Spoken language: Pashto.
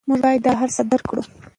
موږ باید دا هر څه درک کړو.